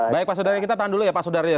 baik pak sudaryo kita tahan dulu ya pak sudaryo